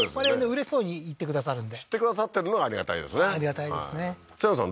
うれしそうに言ってくださるんで知ってくださってるのがありがたいですねありがたいですね清野さん